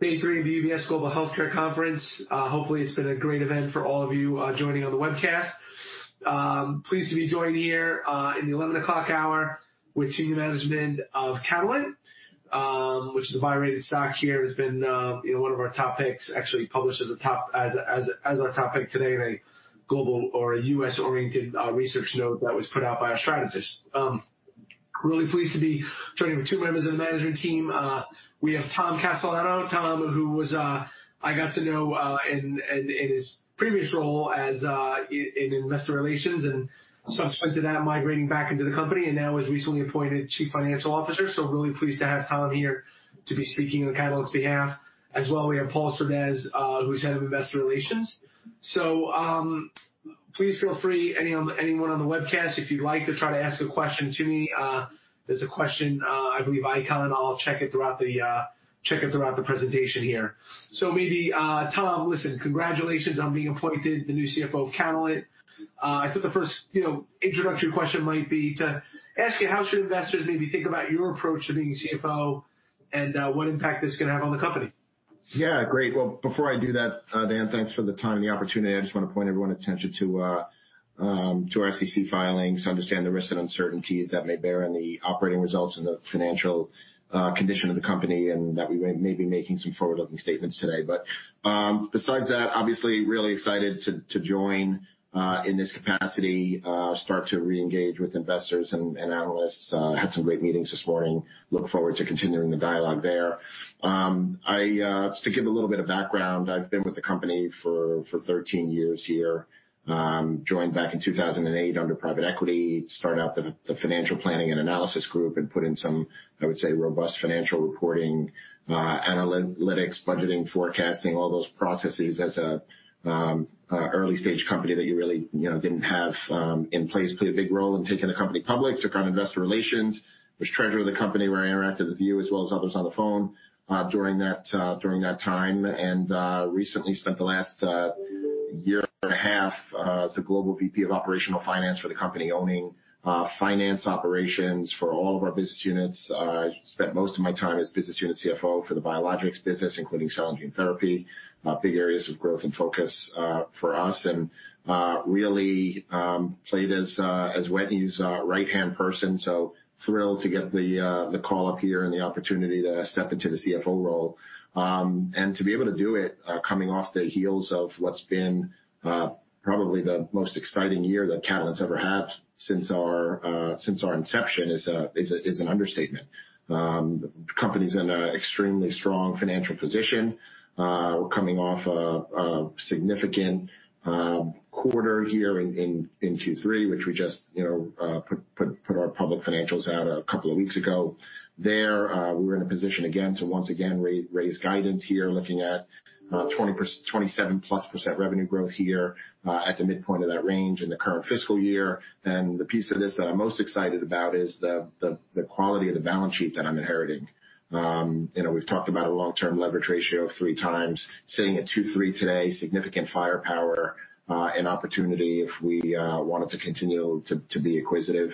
Hey, the three of you here at the Global Healthcare Conference. Hopefully, it's been a great event for all of you joining on the webcast. Pleased to be joined here in the 11 o'clock hour with senior management of Catalent, which is a buy-rated stock here. It's been one of our top picks, actually published as our top pick today in a global or a US-oriented research note that was put out by our strategist. Really pleased to be joining with two members of the management team. We have Tom Castellano. Tom, who I got to know in his previous role in investor relations and subsequent to that migrating back into the company and now is recently appointed Chief Financial Officer. So really pleased to have Tom here to be speaking on Catalent's behalf. As well, we have Paul Surdez, who's head of investor relations. So please feel free, anyone on the webcast, if you'd like to try to ask a question to me, there's a question, I believe, icon. I'll check it throughout the presentation here. So maybe, Tom, listen, congratulations on being appointed the new CFO of Catalent. I thought the first introductory question might be to ask you, how should investors maybe think about your approach to being CFO and what impact this can have on the company? Yeah, great. Before I do that, Dan, thanks for the time and the opportunity. I just want to point everyone's attention to our SEC filings to understand the risks and uncertainties that may bear on the operating results and the financial condition of the company and that we may be making some forward-looking statements today. Besides that, obviously, really excited to join in this capacity, start to re-engage with investors and analysts. Had some great meetings this morning. Look forward to continuing the dialogue there. Just to give a little bit of background, I've been with the company for 13 years here. Joined back in 2008 under private equity, started out the financial planning and analysis group and put in some, I would say, robust financial reporting, analytics, budgeting, forecasting, all those processes as an early-stage company that you really didn't have in place. Played a big role in taking the company public, took on investor relations, was treasurer of the company where I interacted with you as well as others on the phone during that time. Recently spent the last year and a half as the global VP of operational finance for the company, owning finance operations for all of our business units. Spent most of my time as business unit CFO for the biologics business, including cell and gene therapy, big areas of growth and focus for us. Really played as Wetteny's right-hand person. Thrilled to get the call up here and the opportunity to step into the CFO role. To be able to do it coming off the heels of what's been probably the most exciting year that Catalent's ever had since our inception is an understatement. The company's in an extremely strong financial position. We're coming off a significant quarter here in Q3, which we just put our public financials out a couple of weeks ago there. We were in a position again to once again raise guidance here, looking at 27+% revenue growth here at the midpoint of that range in the current fiscal year. And the piece of this that I'm most excited about is the quality of the balance sheet that I'm inheriting. We've talked about a long-term leverage ratio of three times, sitting at 2.3 today, significant firepower and opportunity if we wanted to continue to be acquisitive.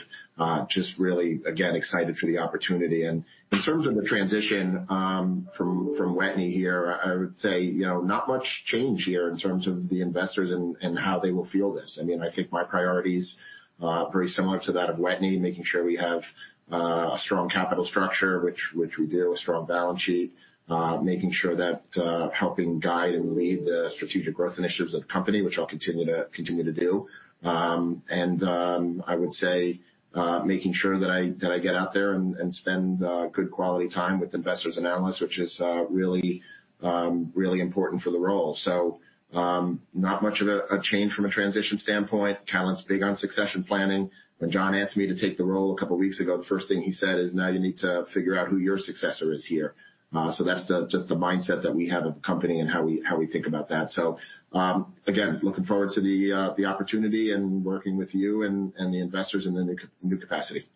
Just really, again, excited for the opportunity. And in terms of the transition from Wetteny here, I would say not much change here in terms of the investors and how they will feel this. I mean, I think my priorities are very similar to that of Wetteny, making sure we have a strong capital structure, which we do, a strong balance sheet, making sure that helping guide and lead the strategic growth initiatives of the company, which I'll continue to do, and I would say making sure that I get out there and spend good quality time with investors and analysts, which is really important for the role, so not much of a change from a transition standpoint. Catalent's big on succession planning. When John asked me to take the role a couple of weeks ago, the first thing he said is, "Now, you need to figure out who your successor is here," so that's just the mindset that we have of the company and how we think about that. So again, looking forward to the opportunity and working with you and the investors in the new capacity.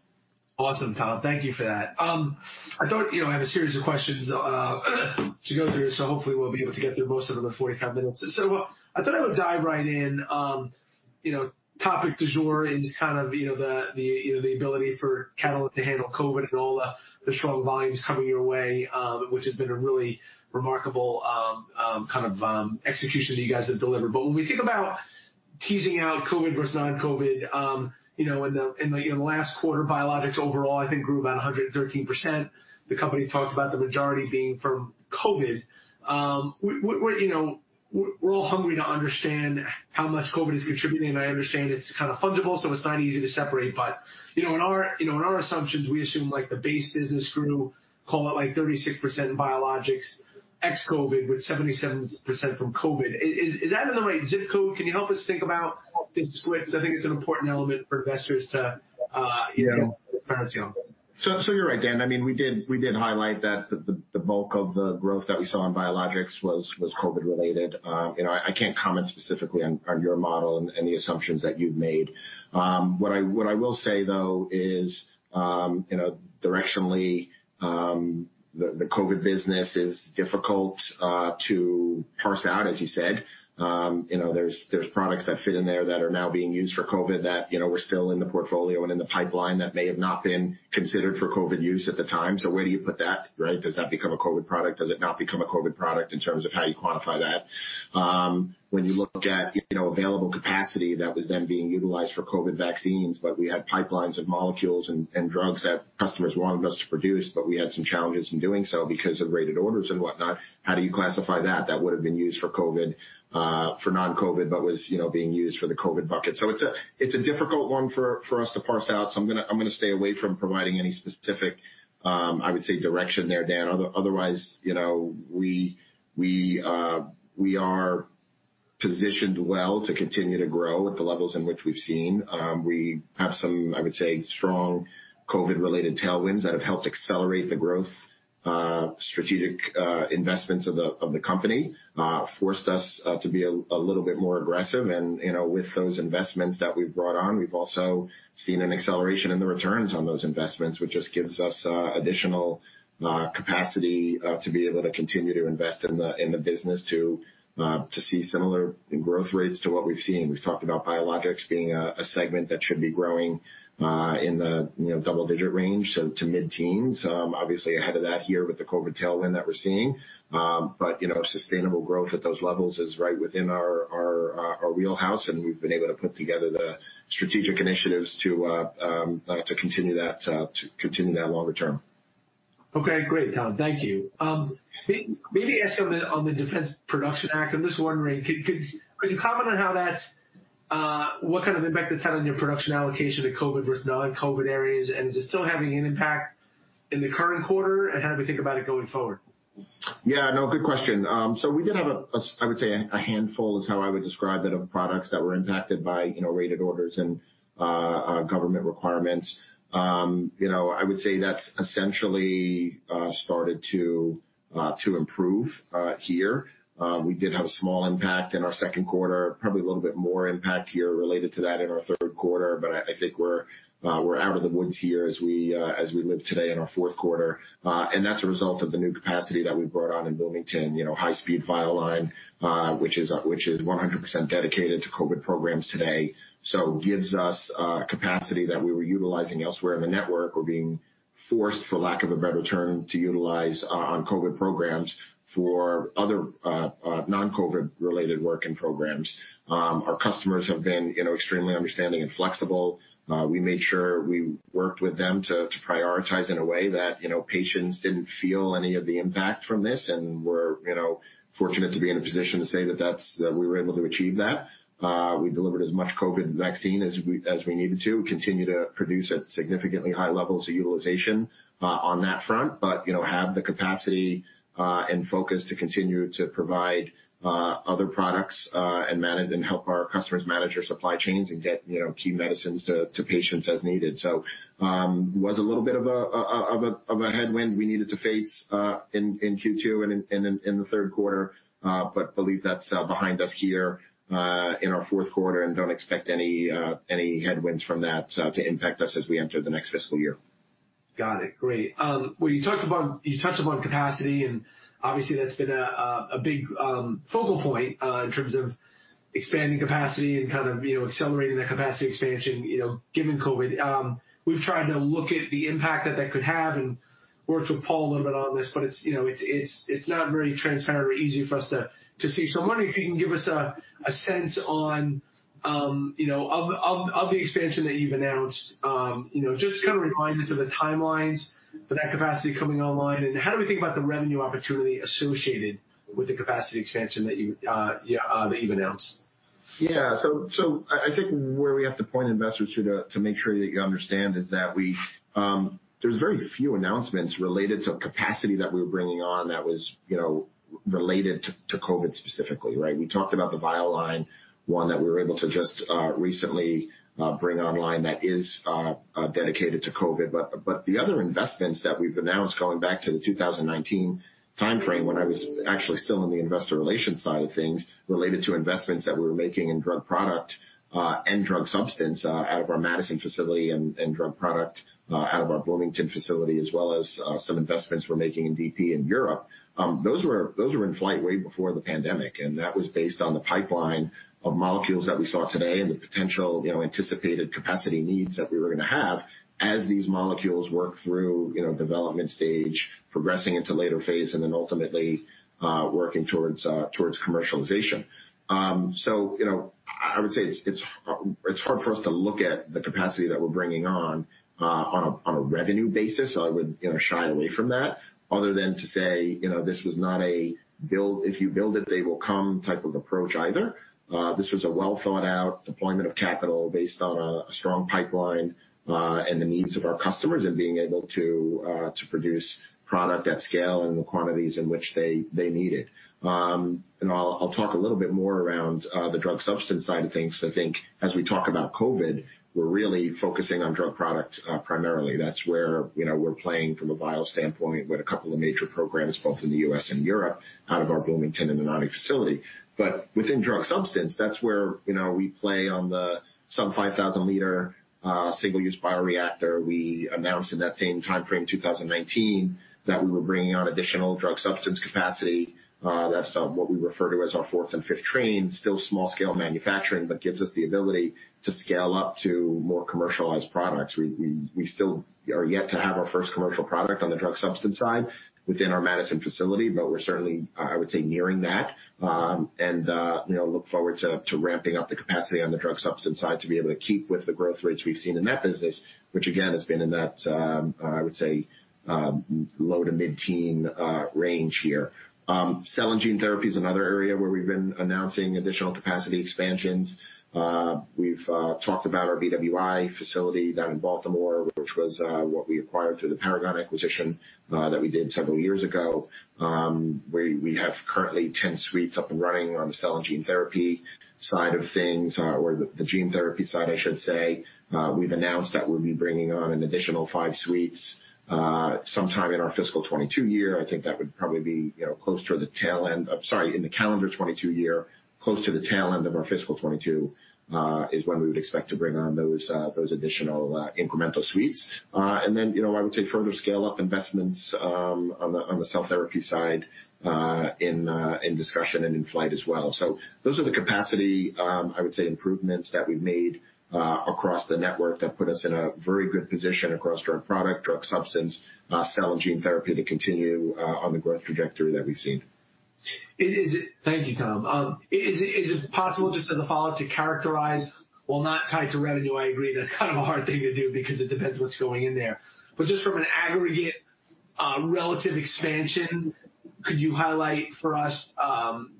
Awesome, Tom. Thank you for that. I thought I had a series of questions to go through, so hopefully we'll be able to get through most of the 45 minutes, so I thought I would dive right in. Topic du jour is kind of the ability for Catalent to handle COVID and all the strong volumes coming your way, which has been a really remarkable kind of execution that you guys have delivered, but when we think about teasing out COVID versus non-COVID, in the last quarter, biologics overall, I think, grew about 113%. The company talked about the majority being from COVID. We're all hungry to understand how much COVID is contributing, and I understand it's kind of fungible, so it's not easy to separate, but in our assumptions, we assume the base business grew, call it like 36% in biologics ex-COVID with 77% from COVID. Is that in the right zip code? Can you help us think about the splits? I think it's an important element for investors to have clarity on. You're right, Dan. I mean, we did highlight that the bulk of the growth that we saw in biologics was COVID-related. I can't comment specifically on your model and the assumptions that you've made. What I will say, though, is directionally, the COVID business is difficult to parse out, as you said. There's products that fit in there that are now being used for COVID that were still in the portfolio and in the pipeline that may have not been considered for COVID use at the time. So where do you put that? Does that become a COVID product? Does it not become a COVID product in terms of how you quantify that? When you look at available capacity that was then being utilized for COVID vaccines, but we had pipelines of molecules and drugs that customers wanted us to produce, but we had some challenges in doing so because of rated orders and whatnot. How do you classify that? That would have been used for COVID, for non-COVID, but was being used for the COVID bucket. So it's a difficult one for us to parse out. So I'm going to stay away from providing any specific, I would say, direction there, Dan. Otherwise, we are positioned well to continue to grow at the levels in which we've seen. We have some, I would say, strong COVID-related tailwinds that have helped accelerate the growth. Strategic investments of the company forced us to be a little bit more aggressive. With those investments that we've brought on, we've also seen an acceleration in the returns on those investments, which just gives us additional capacity to be able to continue to invest in the business to see similar growth rates to what we've seen. We've talked about biologics being a segment that should be growing in the double-digit range to mid-teens, obviously ahead of that here with the COVID tailwind that we're seeing. Sustainable growth at those levels is right within our wheelhouse, and we've been able to put together the strategic initiatives to continue that longer term. Okay, great, Tom. Thank you. Maybe ask on the Defense Production Act. I'm just wondering, could you comment on what kind of impact it's had on your production allocation in COVID versus non-COVID areas? And is it still having an impact in the current quarter? And how do we think about it going forward? Yeah, no, good question. So we did have a, I would say, a handful, is how I would describe it, of products that were impacted by rated orders and government requirements. I would say that's essentially started to improve here. We did have a small impact in our second quarter, probably a little bit more impact here related to that in our third quarter. But I think we're out of the woods here as we sit today in our fourth quarter. And that's a result of the new capacity that we brought on in Bloomington, high-speed fill line, which is 100% dedicated to COVID programs today. So it gives us capacity that we were utilizing elsewhere in the network or being forced, for lack of a better term, to utilize on COVID programs for other non-COVID-related work and programs. Our customers have been extremely understanding and flexible. We made sure we worked with them to prioritize in a way that patients didn't feel any of the impact from this and were fortunate to be in a position to say that we were able to achieve that. We delivered as much COVID vaccine as we needed to. We continue to produce at significantly high levels of utilization on that front, but have the capacity and focus to continue to provide other products and help our customers manage their supply chains and get key medicines to patients as needed. So it was a little bit of a headwind we needed to face in Q2 and in the third quarter, but believe that's behind us here in our fourth quarter and don't expect any headwinds from that to impact us as we enter the next fiscal year. Got it. Great. Well, you touched upon capacity, and obviously, that's been a big focal point in terms of expanding capacity and kind of accelerating that capacity expansion given COVID. We've tried to look at the impact that that could have and worked with Paul a little bit on this, but it's not very transparent or easy for us to see. So I'm wondering if you can give us a sense of the expansion that you've announced, just kind of remind us of the timelines for that capacity coming online, and how do we think about the revenue opportunity associated with the capacity expansion that you've announced? Yeah. So I think where we have to point investors to make sure that you understand is that there's very few announcements related to capacity that we were bringing on that was related to COVID specifically. We talked about the vial line, one that we were able to just recently bring online that is dedicated to COVID. But the other investments that we've announced going back to the 2019 timeframe when I was actually still in the investor relations side of things related to investments that we were making in drug product and drug substance out of our Madison facility and drug product out of our Bloomington facility, as well as some investments we're making in DP in Europe. Those were in flight way before the pandemic. That was based on the pipeline of molecules that we saw today and the potential anticipated capacity needs that we were going to have as these molecules work through development stage, progressing into later phase, and then ultimately working towards commercialization. So I would say it's hard for us to look at the capacity that we're bringing on a revenue basis. I would shy away from that other than to say this was not a build-if-you-build-it, they-will-come type of approach either. This was a well-thought-out deployment of capital based on a strong pipeline and the needs of our customers and being able to produce product at scale and the quantities in which they need it. And I'll talk a little bit more around the drug substance side of things. I think as we talk about COVID, we're really focusing on drug product primarily. That's where we're playing from a vial standpoint with a couple of major programs, both in the U.S. and Europe, out of our Bloomington and the Anagni facility. But within drug substance, that's where we play on the sub-5,000-liter single-use bioreactor. We announced in that same timeframe, 2019, that we were bringing on additional drug substance capacity. That's what we refer to as our fourth and fifth train, still small-scale manufacturing, but gives us the ability to scale up to more commercialized products. We still are yet to have our first commercial product on the drug substance side within our Madison facility, but we're certainly, I would say, nearing that and look forward to ramping up the capacity on the drug substance side to be able to keep with the growth rates we've seen in that business, which, again, has been in that, I would say, low to mid-teen range here. Cell and gene therapy is another area where we've been announcing additional capacity expansions. We've talked about our BWI facility down in Baltimore, which was what we acquired through the Paragon acquisition that we did several years ago. We have currently 10 suites up and running on the cell and gene therapy side of things or the gene therapy side, I should say. We've announced that we'll be bringing on an additional five suites sometime in our fiscal 2022 year. I think that would probably be close to the tail end, sorry, in the calendar 2022 year, close to the tail end of our fiscal 2022 is when we would expect to bring on those additional incremental suites. And then I would say further scale-up investments on the cell therapy side in discussion and in flight as well. So those are the capacity, I would say, improvements that we've made across the network that put us in a very good position across drug product, drug substance, cell and gene therapy to continue on the growth trajectory that we've seen. Thank you, Tom. Is it possible, just as a follow-up, to characterize? Well, not tied to revenue, I agree. That's kind of a hard thing to do because it depends what's going in there. But just from an aggregate relative expansion, could you highlight for us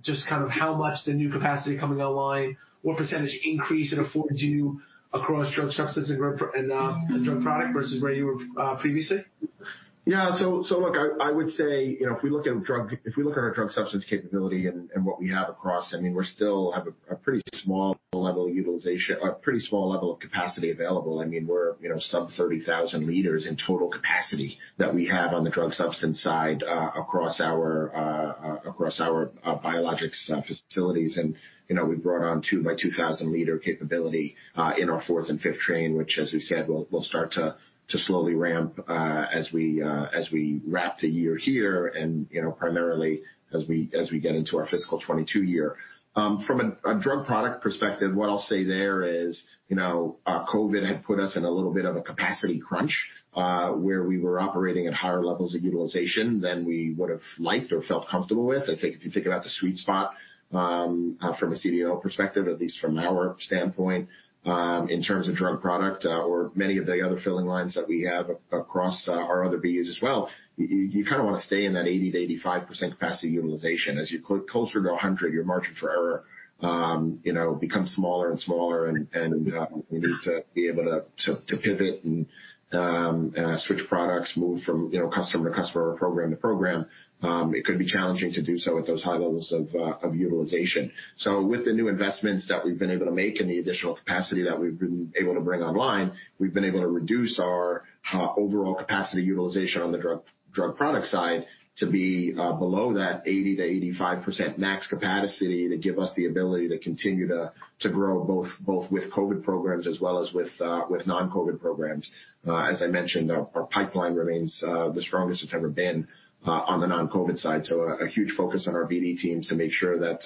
just kind of how much the new capacity coming online, what percentage increase it affords you across drug substance and drug product versus where you were previously? Yeah. So look, I would say if we look at our drug substance capability and what we have across, I mean, we still have a pretty small level of utilization, a pretty small level of capacity available. I mean, we're sub-30,000 liters in total capacity that we have on the drug substance side across our biologics facilities. And we've brought on two by 2,000-liter capability in our fourth and fifth train, which, as we said, we'll start to slowly ramp as we wrap the year here and primarily as we get into our fiscal 2022 year. From a drug product perspective, what I'll say there is COVID had put us in a little bit of a capacity crunch where we were operating at higher levels of utilization than we would have liked or felt comfortable with. I think if you think about the sweet spot from a CDMO perspective, at least from our standpoint, in terms of drug product or many of the other filling lines that we have across our other BUs as well, you kind of want to stay in that 80%-85% capacity utilization. As you close to 100%, your margin for error becomes smaller and smaller, and we need to be able to pivot and switch products, move from customer to customer or program to program. It could be challenging to do so at those high levels of utilization. So with the new investments that we've been able to make and the additional capacity that we've been able to bring online, we've been able to reduce our overall capacity utilization on the drug product side to be below that 80%-85% max capacity to give us the ability to continue to grow both with COVID programs as well as with non-COVID programs. As I mentioned, our pipeline remains the strongest it's ever been on the non-COVID side. So a huge focus on our BD teams to make sure that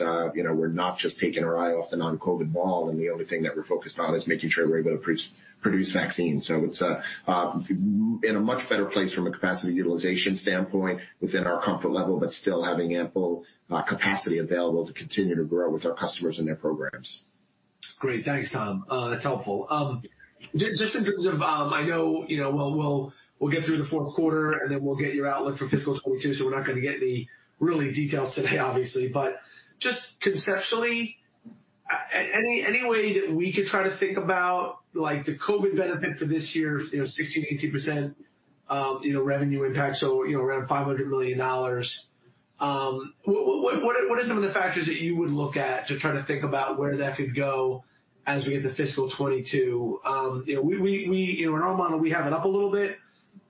we're not just taking our eye off the non-COVID ball, and the only thing that we're focused on is making sure we're able to produce vaccines. So it's in a much better place from a capacity utilization standpoint within our comfort level, but still having ample capacity available to continue to grow with our customers and their programs. Great. Thanks, Tom. That's helpful. Just in terms of, I know we'll get through the fourth quarter, and then we'll get your outlook for fiscal 2022, so we're not going to get any real details today, obviously. But just conceptually, any way that we could try to think about the COVID benefit for this year, 16%-18% revenue impact, so around $500 million. What are some of the factors that you would look at to try to think about where that could go as we get to fiscal 2022? In our model, we have it up a little bit.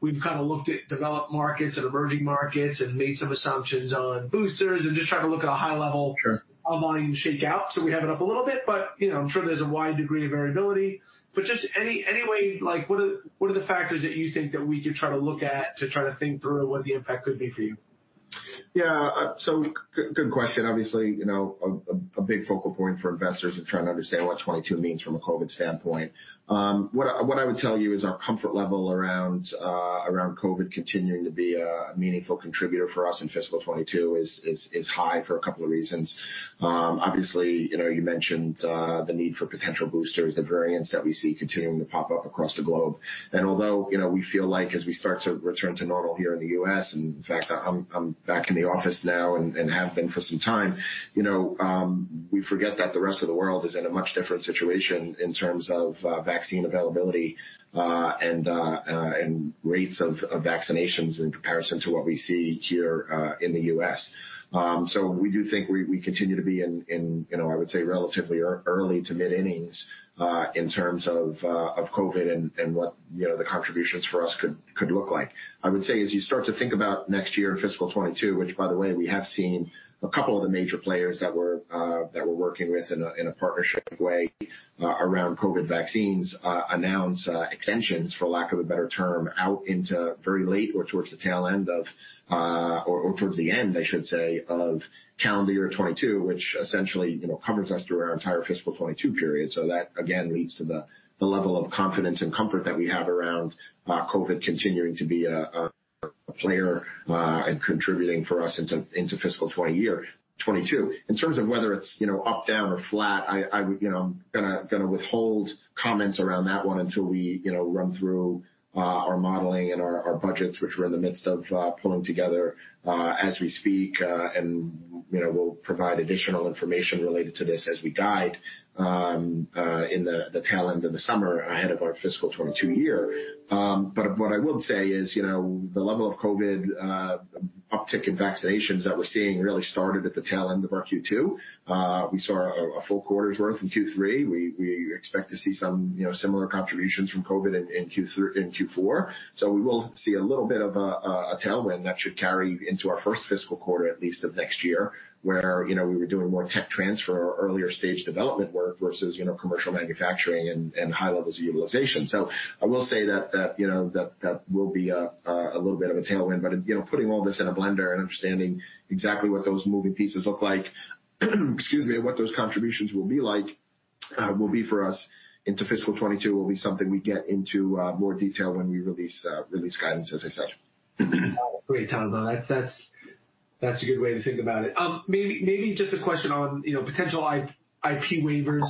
We've kind of looked at developed markets and emerging markets and made some assumptions on boosters and just tried to look at a high-level volume shakeout. So we have it up a little bit, but I'm sure there's a wide degree of variability. But just anyway, what are the factors that you think that we could try to look at to try to think through what the impact could be for you? Yeah. So good question. Obviously, a big focal point for investors to try to understand what '22 means from a COVID standpoint. What I would tell you is our comfort level around COVID continuing to be a meaningful contributor for us in fiscal 2022 is high for a couple of reasons. Obviously, you mentioned the need for potential boosters, the variants that we see continuing to pop up across the globe, and although we feel like as we start to return to normal here in the U.S., and in fact, I'm back in the office now and have been for some time, we forget that the rest of the world is in a much different situation in terms of vaccine availability and rates of vaccinations in comparison to what we see here in the U.S. So we do think we continue to be in, I would say, relatively early to mid-80s in terms of COVID and what the contributions for us could look like. I would say as you start to think about next year in fiscal 2022, which, by the way, we have seen a couple of the major players that we're working with in a partnership way around COVID vaccines announce extensions, for lack of a better term, out into very late or towards the tail end of or towards the end, I should say, of calendar year 2022, which essentially covers us through our entire fiscal 2022 period. So that, again, leads to the level of confidence and comfort that we have around COVID continuing to be a player and contributing for us into fiscal 2022. In terms of whether it's up, down, or flat, I'm going to withhold comments around that one until we run through our modeling and our budgets, which we're in the midst of pulling together as we speak, and we'll provide additional information related to this as we guide in the tail end of the summer ahead of our fiscal 2022 year, but what I would say is the level of COVID uptick in vaccinations that we're seeing really started at the tail end of our Q2. We saw a full quarter's worth in Q3. We expect to see some similar contributions from COVID in Q4, so we will see a little bit of a tailwind that should carry into our first fiscal quarter, at least, of next year, where we were doing more tech transfer or earlier stage development work versus commercial manufacturing and high levels of utilization. So I will say that that will be a little bit of a tailwind. But putting all this in a blender and understanding exactly what those moving pieces look like, excuse me, what those contributions will be like for us into fiscal 2022 will be something we get into more detail when we release guidance, as I said. Great, Tom. That's a good way to think about it. Maybe just a question on potential IP waivers.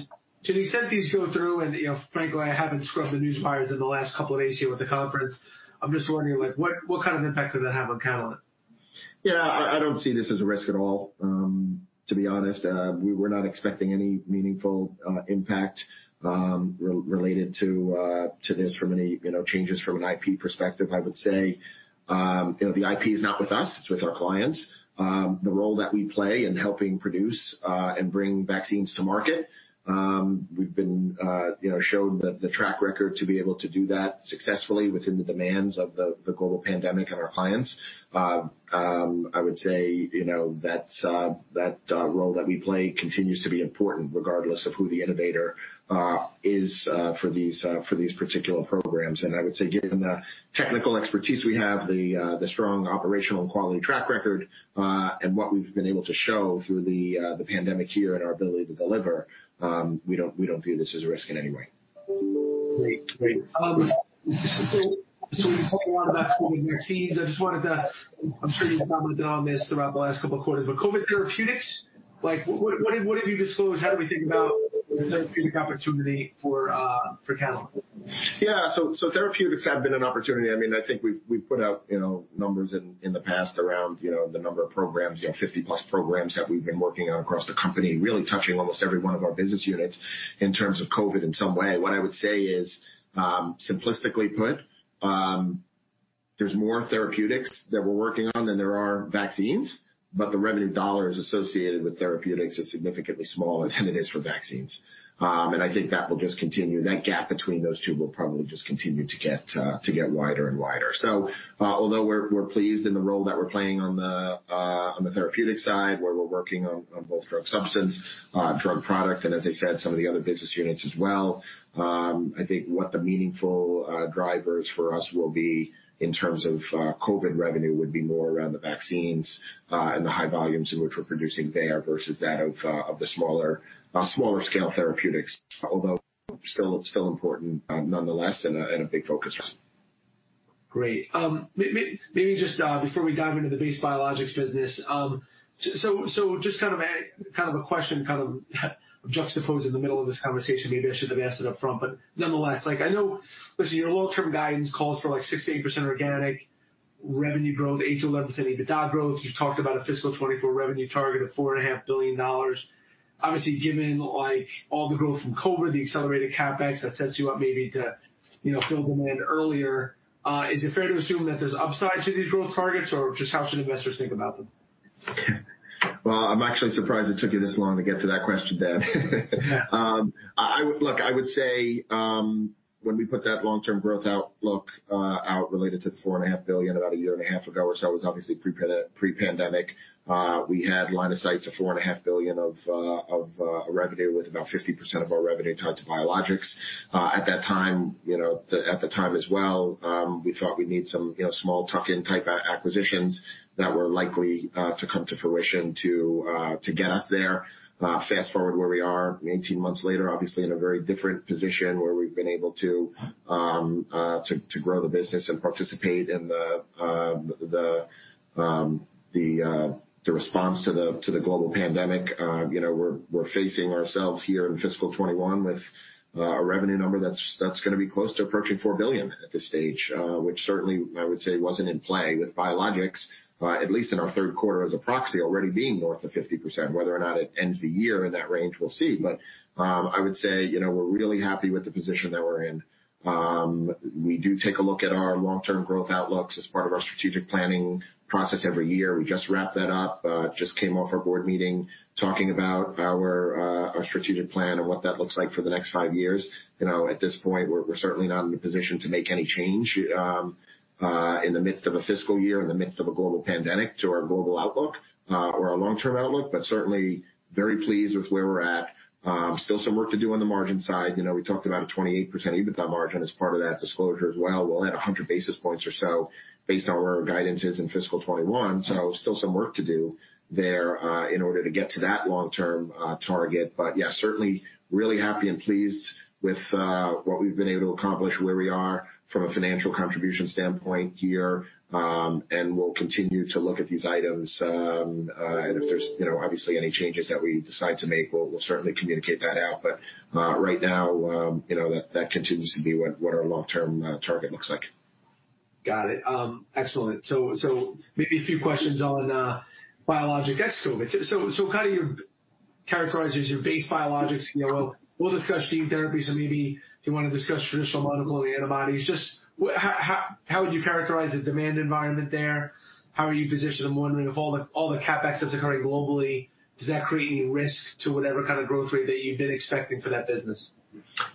To the extent these go through, and frankly, I haven't scrubbed the news wires in the last couple of days here with the conference, I'm just wondering, what kind of impact would that have on Catalent? Yeah. I don't see this as a risk at all, to be honest. We're not expecting any meaningful impact related to this from any changes from an IP perspective, I would say. The IP is not with us. It's with our clients. The role that we play in helping produce and bring vaccines to market. We've been shown the track record to be able to do that successfully within the demands of the global pandemic and our clients. I would say that role that we play continues to be important regardless of who the innovator is for these particular programs. And I would say given the technical expertise we have, the strong operational quality track record, and what we've been able to show through the pandemic year and our ability to deliver, we don't view this as a risk in any way. Great. So we talked a lot about COVID vaccines. I just wanted to. I'm sure you've gotten my questions throughout the last couple of quarters, but COVID therapeutics. What have you disclosed? How do we think about the therapeutic opportunity for Catalent? Yeah. So therapeutics have been an opportunity. I mean, I think we've put out numbers in the past around the number of programs, 50-plus programs that we've been working on across the company, really touching almost every one of our business units in terms of COVID in some way. What I would say is, simplistically put, there's more therapeutics that we're working on than there are vaccines, but the revenue dollars associated with therapeutics is significantly smaller than it is for vaccines. And I think that will just continue. That gap between those two will probably just continue to get wider and wider. Although we're pleased in the role that we're playing on the therapeutic side, where we're working on both drug substance, drug product, and as I said, some of the other business units as well. I think what the meaningful drivers for us will be in terms of COVID revenue would be more around the vaccines and the high volumes in which we're producing there versus that of the smaller scale therapeutics, although still important nonetheless and a big focus for us. Great. Maybe just before we dive into the base biologics business, so just kind of a question kind of juxtaposed in the middle of this conversation, maybe I should have asked it upfront, but nonetheless, I know your long-term guidance calls for 6%-8% organic revenue growth, 8%-11% EBITDA growth. You've talked about a fiscal 2024 revenue target of $4.5 billion. Obviously, given all the growth from COVID, the accelerated CapEx that sets you up maybe to fill demand earlier, is it fair to assume that there's upside to these growth targets, or just how should investors think about them? I'm actually surprised it took you this long to get to that question, Dan. Look, I would say when we put that long-term growth outlook out related to the $4.5 billion about a year and a half ago or so, it was obviously pre-pandemic. We had line of sight to $4.5 billion of revenue with about 50% of our revenue tied to biologics. At that time, at the time as well, we thought we'd need some small tuck-in type acquisitions that were likely to come to fruition to get us there. Fast forward where we are, 18 months later, obviously in a very different position where we've been able to grow the business and participate in the response to the global pandemic. We're facing ourselves here in fiscal 2021 with a revenue number that's going to be close to approaching $4 billion at this stage, which certainly, I would say, wasn't in play with biologics, at least in our third quarter as a proxy already being north of 50%. Whether or not it ends the year in that range, we'll see. But I would say we're really happy with the position that we're in. We do take a look at our long-term growth outlooks as part of our strategic planning process every year. We just wrapped that up. Just came off our board meeting talking about our strategic plan and what that looks like for the next five years. At this point, we're certainly not in a position to make any change in the midst of a fiscal year, in the midst of a global pandemic to our global outlook or our long-term outlook, but certainly very pleased with where we're at. Still some work to do on the margin side. We talked about a 28% EBITDA margin as part of that disclosure as well. We'll add 100 basis points or so based on where our guidance is in fiscal 2021. So still some work to do there in order to get to that long-term target. But yeah, certainly really happy and pleased with what we've been able to accomplish where we are from a financial contribution standpoint here. And we'll continue to look at these items. And if there's obviously any changes that we decide to make, we'll certainly communicate that out. But right now, that continues to be what our long-term target looks like. Got it. Excellent. So maybe a few questions on biologics ex-COVID. So kind of your characterizers are your base biologics. We'll discuss gene therapy. So maybe you want to discuss traditional monoclonal antibodies. Just how would you characterize the demand environment there? How are you positioned? I'm wondering, of all the CapEx that's occurring globally, does that create any risk to whatever kind of growth rate that you've been expecting for that business?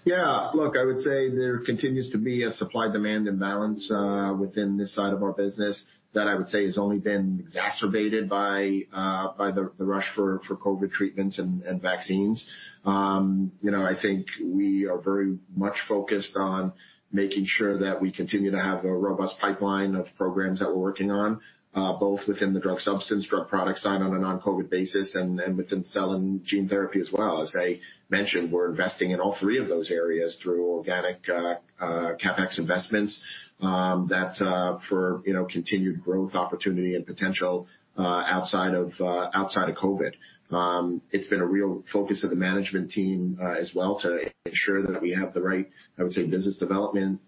Yeah. Look, I would say there continues to be a supply-demand imbalance within this side of our business that I would say has only been exacerbated by the rush for COVID treatments and vaccines. I think we are very much focused on making sure that we continue to have a robust pipeline of programs that we're working on, both within the drug substance, drug product side on a non-COVID basis, and within cell and gene therapy as well. As I mentioned, we're investing in all three of those areas through organic CapEx investments for continued growth opportunity and potential outside of COVID. It's been a real focus of the management team as well to ensure that we have the right, I would say, business development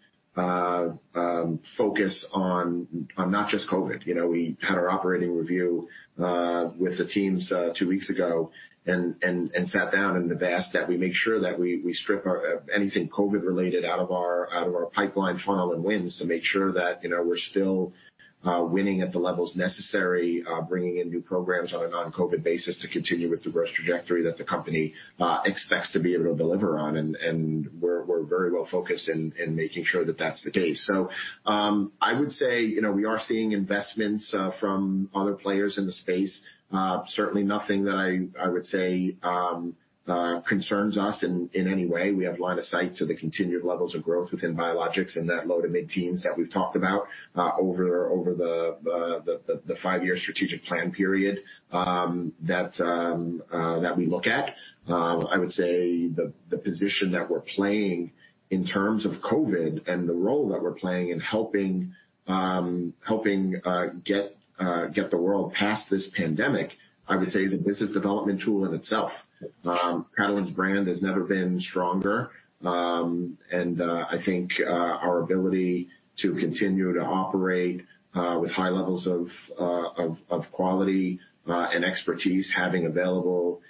focus on not just COVID. We had our operating review with the teams two weeks ago and sat down and asked that we make sure that we strip anything COVID-related out of our pipeline funnel and wins to make sure that we're still winning at the levels necessary, bringing in new programs on a non-COVID basis to continue with the growth trajectory that the company expects to be able to deliver on. We're very well focused in making sure that that's the case. I would say we are seeing investments from other players in the space. Certainly nothing that I would say concerns us in any way. We have line of sight to the continued levels of growth within biologics in that low to mid-teens that we've talked about over the five-year strategic plan period that we look at. I would say the position that we're playing in terms of COVID and the role that we're playing in helping get the world past this pandemic, I would say, is a business development tool in itself. Catalent's brand has never been stronger. And I think our ability to continue to operate with high levels of quality and expertise, having available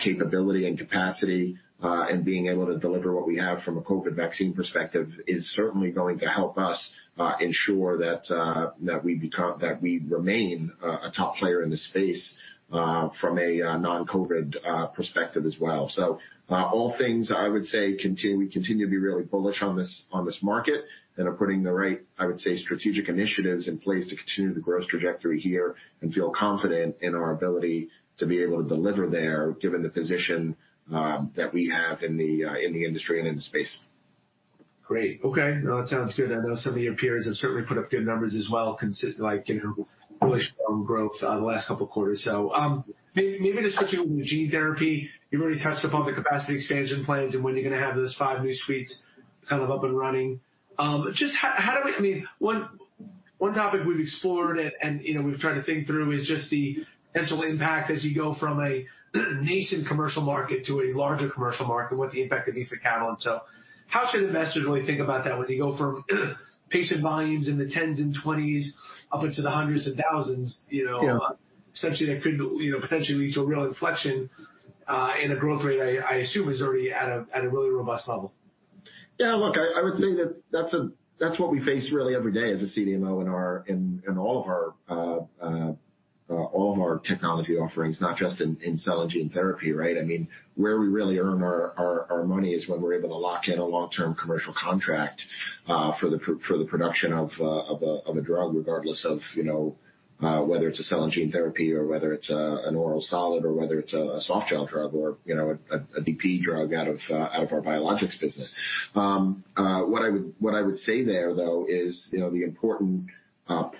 capability and capacity, and being able to deliver what we have from a COVID vaccine perspective is certainly going to help us ensure that we remain a top player in this space from a non-COVID perspective as well. So all things, I would say, we continue to be really bullish on this market and are putting the right, I would say, strategic initiatives in place to continue the growth trajectory here and feel confident in our ability to be able to deliver there given the position that we have in the industry and in the space. Great. Okay. That sounds good. I know some of your peers have certainly put up good numbers as well, really strong growth the last couple of quarters. So maybe just switching over to gene therapy, you've already touched upon the capacity expansion plans and when you're going to have those five new suites kind of up and running. Just how do we, I mean, one topic we've explored and we've tried to think through is just the potential impact as you go from a nascent commercial market to a larger commercial market, what the impact would be for Catalent. So how should investors really think about that when you go from patient volumes in the tens and twenties up into the hundreds and thousands, essentially, that could potentially lead to a real inflection in a growth rate I assume is already at a really robust level? Yeah. Look, I would say that that's what we face really every day as a CDMO in all of our technology offerings, not just in cell and gene therapy, right? I mean, where we really earn our money is when we're able to lock in a long-term commercial contract for the production of a drug, regardless of whether it's a cell and gene therapy or whether it's an oral solid or whether it's a soft gel drug or a DP drug out of our biologics business. What I would say there, though, is the important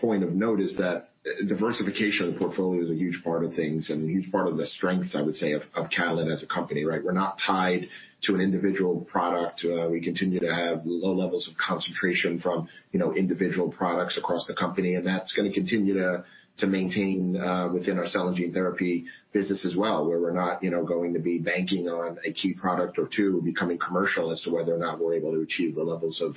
point of note is that diversification of the portfolio is a huge part of things and a huge part of the strengths, I would say, of Catalent as a company, right? We're not tied to an individual product. We continue to have low levels of concentration from individual products across the company. And that's going to continue to maintain within our cell and gene therapy business as well, where we're not going to be banking on a key product or two and becoming commercial as to whether or not we're able to achieve the levels of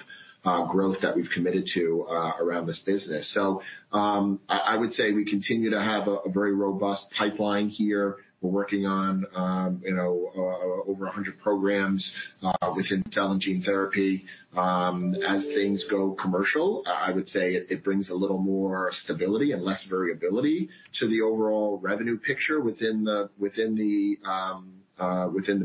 growth that we've committed to around this business. So I would say we continue to have a very robust pipeline here. We're working on over 100 programs within cell and gene therapy. As things go commercial, I would say it brings a little more stability and less variability to the overall revenue picture within the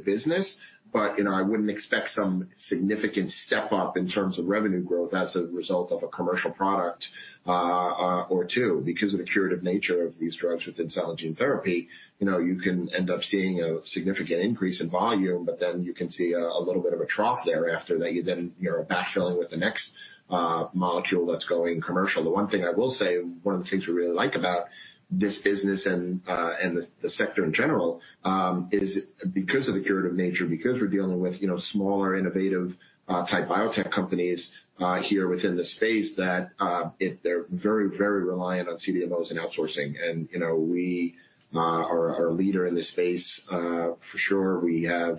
business. But I wouldn't expect some significant step-up in terms of revenue growth as a result of a commercial product or two because of the curative nature of these drugs within cell and gene therapy. You can end up seeing a significant increase in volume, but then you can see a little bit of a trough there. After that, you're then backfilling with the next molecule that's going commercial. The one thing I will say, one of the things we really like about this business and the sector in general is because of the curative nature, because we're dealing with smaller innovative-type biotech companies here within the space, that they're very, very reliant on CDMOs and outsourcing, and we are a leader in this space for sure. We have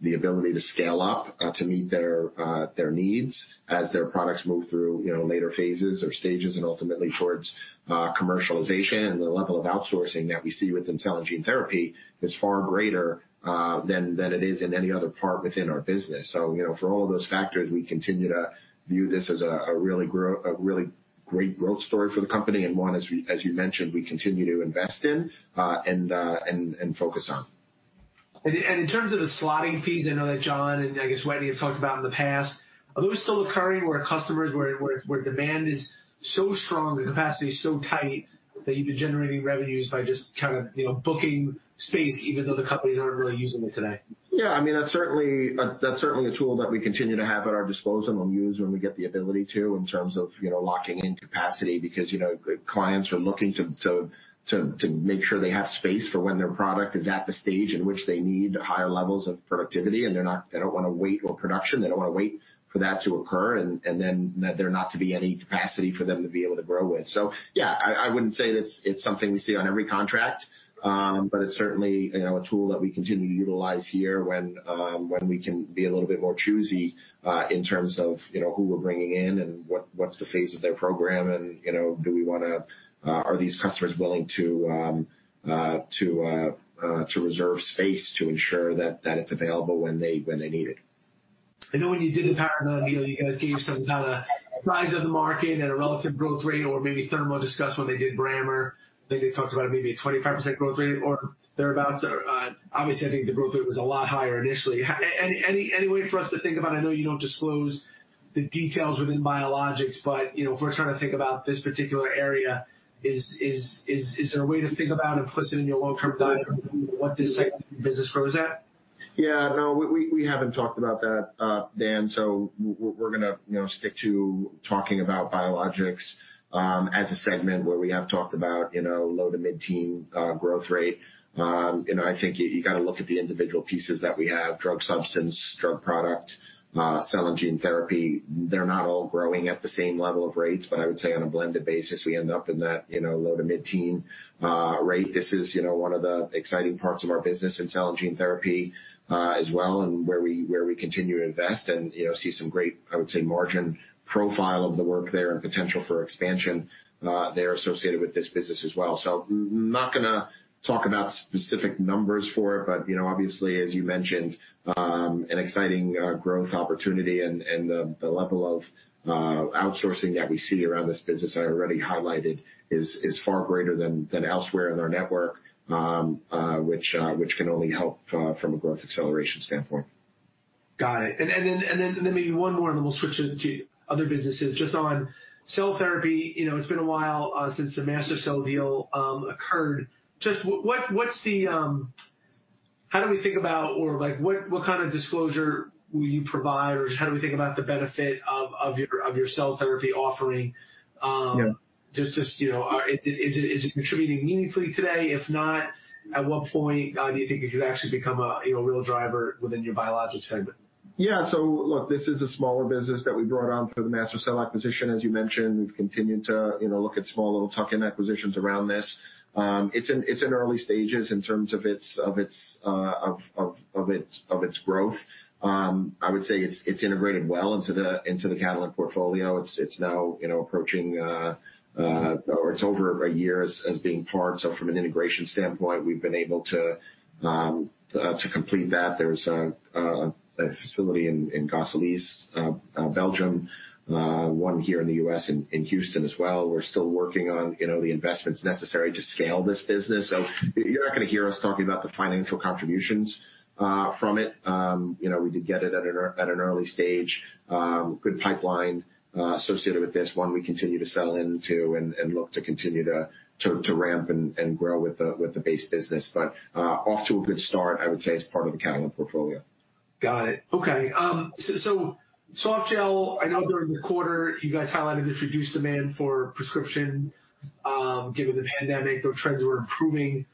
the ability to scale up to meet their needs as their products move through later phases or stages and ultimately towards commercialization, and the level of outsourcing that we see within cell and gene therapy is far greater than it is in any other part within our business. So for all of those factors, we continue to view this as a really great growth story for the company and one, as you mentioned, we continue to invest in and focus on. In terms of the slotting fees, I know that John and I guess Wetteny have talked about in the past, are those still occurring where customers, where demand is so strong, the capacity is so tight that you've been generating revenues by just kind of booking space even though the companies aren't really using it today? Yeah. I mean, that's certainly a tool that we continue to have at our disposal and use when we get the ability to, in terms of locking in capacity, because clients are looking to make sure they have space for when their product is at the stage in which they need higher levels of productivity, and they don't want to wait for production. They don't want to wait for that to occur and then there not to be any capacity for them to be able to grow with. So yeah, I wouldn't say it's something we see on every contract, but it's certainly a tool that we continue to utilize here when we can be a little bit more choosy in terms of who we're bringing in and what's the phase of their program and do we want to, are these customers willing to reserve space to ensure that it's available when they need it. I know when you did the Paragon, you guys gave some kind of size of the market and a relative growth rate or maybe Thermo discussed when they did Brammer. They talked about maybe a 25% growth rate or thereabouts. Obviously, I think the growth rate was a lot higher initially. Any way for us to think about it? I know you don't disclose the details within biologics, but if we're trying to think about this particular area, is there a way to think about implicit in your long-term guidance what this segment of the business grows at? Yeah. No, we haven't talked about that, Dan. So we're going to stick to talking about biologics as a segment where we have talked about low to mid-teens growth rate. I think you got to look at the individual pieces that we have: drug substance, drug product, cell and gene therapy. They're not all growing at the same level of rates, but I would say on a blended basis, we end up in that low to mid-teens rate. This is one of the exciting parts of our business in cell and gene therapy as well and where we continue to invest and see some great, I would say, margin profile of the work there and potential for expansion there associated with this business as well. So I'm not going to talk about specific numbers for it, but obviously, as you mentioned, an exciting growth opportunity and the level of outsourcing that we see around this business I already highlighted is far greater than elsewhere in our network, which can only help from a growth acceleration standpoint. Got it, and then maybe one more, and then we'll switch to other businesses. Just on cell therapy, it's been a while since the MaSTherCell deal occurred. Just how do we think about or what kind of disclosure will you provide or how do we think about the benefit of your cell therapy offering? Just is it contributing meaningfully today? If not, at what point do you think it could actually become a real driver within your biologics segment? Yeah. So look, this is a smaller business that we brought on for the MaSTherCell acquisition. As you mentioned, we've continued to look at small little tuck-in acquisitions around this. It's in early stages in terms of its growth. I would say it's integrated well into the Catalent portfolio. It's now approaching or it's over a year as being part. So from an integration standpoint, we've been able to complete that. There's a facility in Gosselies, Belgium, one here in the U.S. in Houston as well. We're still working on the investments necessary to scale this business. So you're not going to hear us talking about the financial contributions from it. We did get it at an early stage. Good pipeline associated with this, one we continue to sell into and look to continue to ramp and grow with the base business. But off to a good start, I would say, as part of the Catalent portfolio. Got it. Okay. So softgel, I know during the quarter, you guys highlighted this reduced demand for prescription. Given the pandemic, those trends were improving.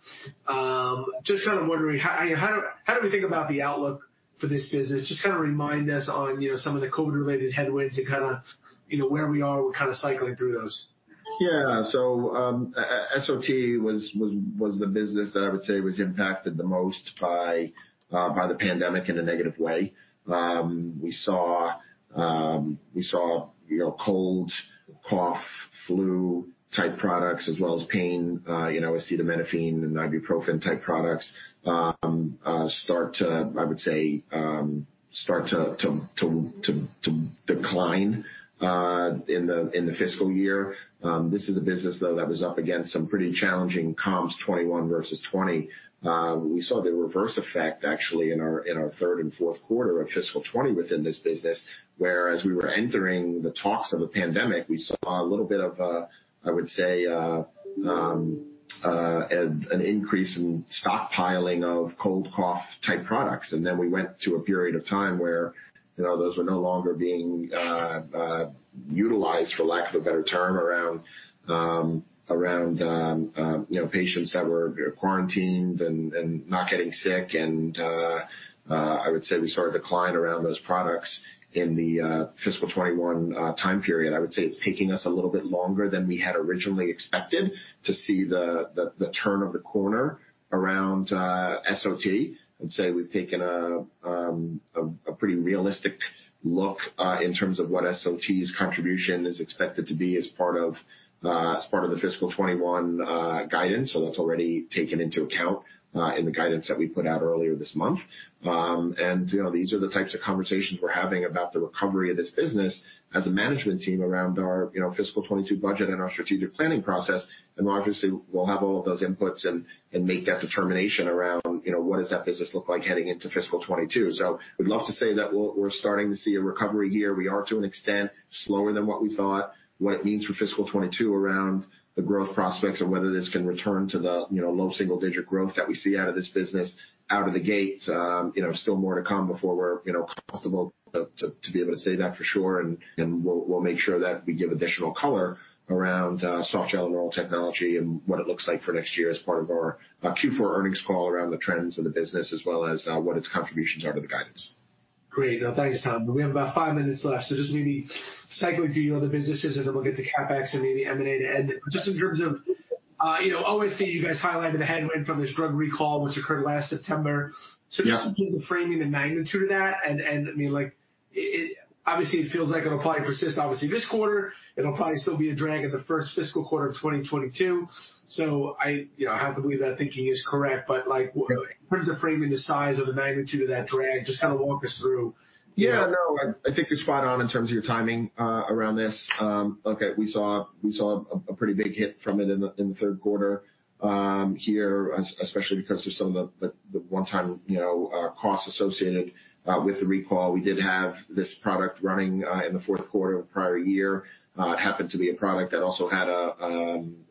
Just kind of wondering, how do we think about the outlook for this business? Just kind of remind us on some of the COVID-related headwinds and kind of where we are. We're kind of cycling through those. Yeah. SOT was the business that I would say was impacted the most by the pandemic in a negative way. We saw cold, cough, flu-type products as well as pain, acetaminophen, and ibuprofen-type products start to, I would say, start to decline in the fiscal year. This is a business, though, that was up against some pretty challenging comps, 2021 versus 2020. We saw the reverse effect, actually, in our third and fourth quarter of fiscal 2020 within this business, whereas we were entering the talks of a pandemic. We saw a little bit of, I would say, an increase in stockpiling of cold, cough-type products. Then we went to a period of time where those were no longer being utilized, for lack of a better term, around patients that were quarantined and not getting sick. And I would say we saw a decline around those products in the fiscal 2021 time period. I would say it's taking us a little bit longer than we had originally expected to see the turn of the corner around SOT. I'd say we've taken a pretty realistic look in terms of what SOT's contribution is expected to be as part of the fiscal 2021 guidance. So that's already taken into account in the guidance that we put out earlier this month. And these are the types of conversations we're having about the recovery of this business as a management team around our fiscal 2022 budget and our strategic planning process. And obviously, we'll have all of those inputs and make that determination around what does that business look like heading into fiscal 2022. So we'd love to say that we're starting to see a recovery year. We are, to an extent, slower than what we thought. What it means for fiscal 2022 around the growth prospects and whether this can return to the low single-digit growth that we see out of this business out of the gate, still more to come before we're comfortable to be able to say that for sure. We'll make sure that we give additional color around softgel and oral technologies and what it looks like for next year as part of our Q4 earnings call around the trends of the business as well as what its contributions are to the guidance. Great. Now, thanks, Tom. We have about five minutes left. So just maybe cycling through your other businesses and then we'll get to CapEx and maybe M&A to end it. But just in terms of, I always see you guys highlighting the headwind from this drug recall, which occurred last September. So just in terms of framing the magnitude of that, and I mean, obviously, it feels like it'll probably persist, obviously, this quarter. It'll probably still be a drag in the first fiscal quarter of 2022. So I have to believe that thinking is correct. But in terms of framing the size or the magnitude of that drag, just kind of walk us through. Yeah. No, I think you're spot on in terms of your timing around this. Look, we saw a pretty big hit from it in the third quarter here, especially because of some of the one-time costs associated with the recall. We did have this product running in the fourth quarter of the prior year. It happened to be a product that also had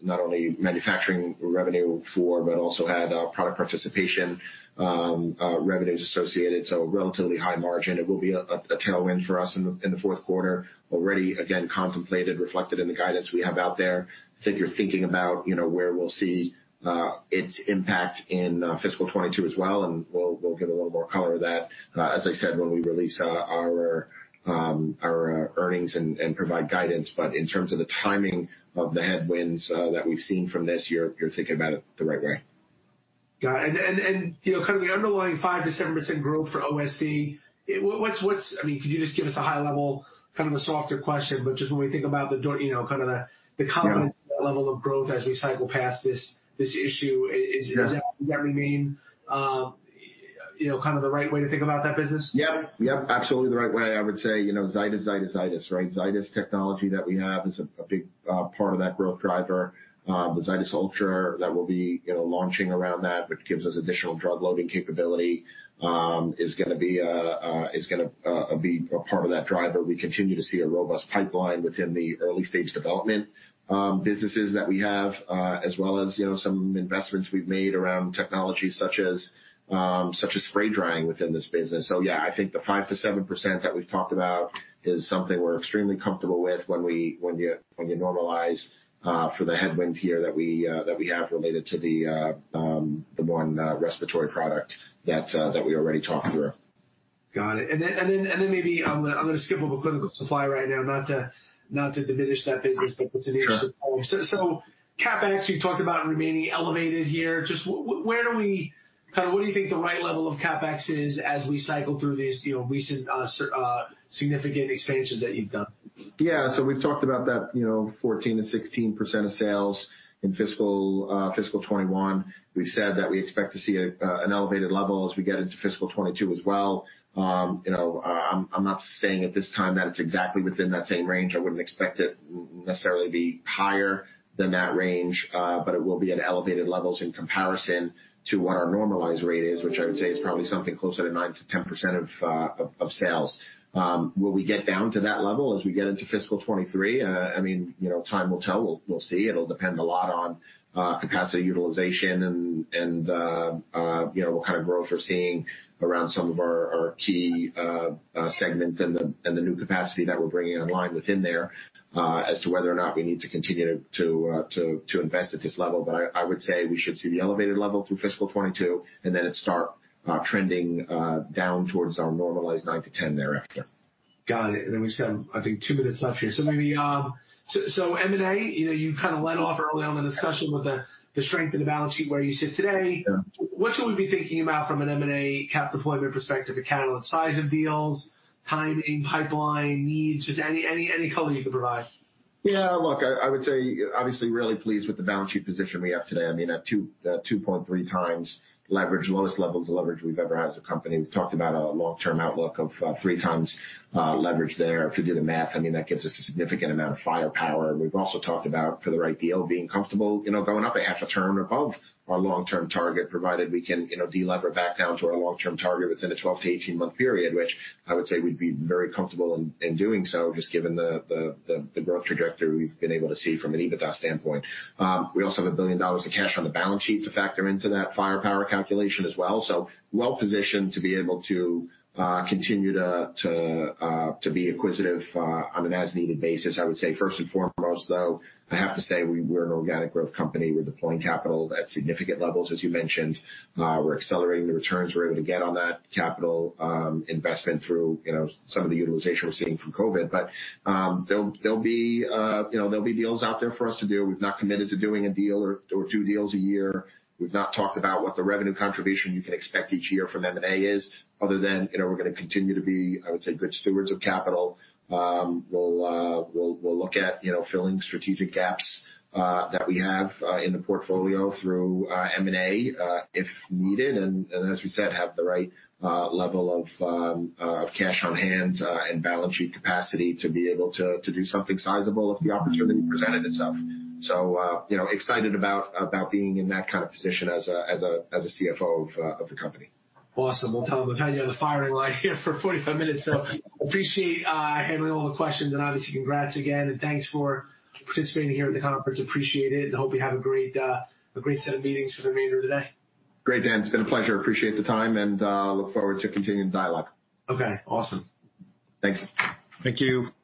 not only manufacturing revenue for, but also had product participation revenues associated. So relatively high margin. It will be a tailwind for us in the fourth quarter, already again contemplated, reflected in the guidance we have out there. I think you're thinking about where we'll see its impact in fiscal 2022 as well, and we'll give a little more color to that, as I said, when we release our earnings and provide guidance. But in terms of the timing of the headwinds that we've seen from this, you're thinking about it the right way. Got it. And kind of the underlying 5%-7% growth for OSD, I mean, could you just give us a high-level, kind of a softer question, but just when we think about kind of the confidence level of growth as we cycle past this issue, does that remain kind of the right way to think about that business? Yep. Yep. Absolutely the right way. I would say Zydis, Zydis, Zydis, right? Zydis technology that we have is a big part of that growth driver. The Zydis Ultra that we'll be launching around that, which gives us additional drug loading capability, is going to be a part of that driver. We continue to see a robust pipeline within the early-stage development businesses that we have, as well as some investments we've made around technology such as spray drying within this business. So yeah, I think the 5%-7% that we've talked about is something we're extremely comfortable with when you normalize for the headwind here that we have related to the one respiratory product that we already talked through. Got it. And then maybe I'm going to skip over clinical supply right now, not to diminish that business, but continuing to follow. So CapEx, you talked about remaining elevated here. Just where do we kind of, what do you think the right level of CapEx is as we cycle through these recent significant expansions that you've done? Yeah. So we've talked about that 14%-16% of sales in fiscal 2021. We've said that we expect to see an elevated level as we get into fiscal 2022 as well. I'm not saying at this time that it's exactly within that same range. I wouldn't expect it necessarily to be higher than that range, but it will be at elevated levels in comparison to what our normalized rate is, which I would say is probably something closer to 9%-10% of sales. Will we get down to that level as we get into fiscal 2023? I mean, time will tell. We'll see. It'll depend a lot on capacity utilization and what kind of growth we're seeing around some of our key segments and the new capacity that we're bringing online within there as to whether or not we need to continue to invest at this level. But I would say we should see the elevated level through fiscal 2022, and then it starts trending down towards our normalized 9%-10% thereafter. Got it. And then we just have, I think, two minutes left here. So maybe, so M&A, you kind of led off early on the discussion with the strength and the balance sheet where you sit today. What should we be thinking about from an M&A CapEx deployment perspective? The Catalent size of deals, timing, pipeline, needs? Just any color you can provide. Yeah. Look, I would say obviously really pleased with the balance sheet position we have today. I mean, at 2.3 times leverage, lowest levels of leverage we've ever had as a company. We've talked about a long-term outlook of three times leverage there. If you do the math, I mean, that gives us a significant amount of firepower. We've also talked about, for the right deal, being comfortable going up at half a turn above our long-term target, provided we can delever back down to our long-term target within a 12-18-month period, which I would say we'd be very comfortable in doing so, just given the growth trajectory we've been able to see from an EBITDA standpoint. We also have $1 billion of cash on the balance sheet to factor into that firepower calculation as well. So well-positioned to be able to continue to be acquisitive on an as-needed basis. I would say, first and foremost, though, I have to say we're an organic growth company. We're deploying capital at significant levels, as you mentioned. We're accelerating the returns we're able to get on that capital investment through some of the utilization we're seeing from COVID. But there'll be deals out there for us to do. We've not committed to doing a deal or two deals a year. We've not talked about what the revenue contribution you can expect each year from M&A is, other than we're going to continue to be, I would say, good stewards of capital. We'll look at filling strategic gaps that we have in the portfolio through M&A if needed. And as we said, have the right level of cash on hand and balance sheet capacity to be able to do something sizable if the opportunity presented itself. So excited about being in that kind of position as a CFO of the company. Awesome. Well, Tom, I've had you on the firing line here for 45 minutes. So appreciate handling all the questions. And obviously, congrats again. And thanks for participating here at the conference. Appreciate it. And hope you have a great set of meetings for the remainder of the day. Great, Dan. It's been a pleasure. Appreciate the time. And look forward to continuing the dialogue. Okay. Awesome. Thanks. Thank you.